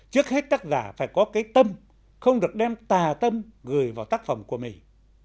trước hết tác giả phải có cái tâm không được đem tà tâm gửi vào tác phẩm của mình